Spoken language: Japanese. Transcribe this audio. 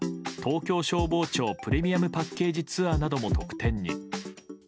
東京消防庁プレミアムパッケージツアーなども特典に。